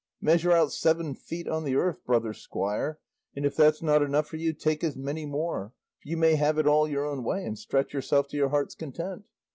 Measure out seven feet on the earth, brother squire, and if that's not enough for you, take as many more, for you may have it all your own way and stretch yourself to your heart's content.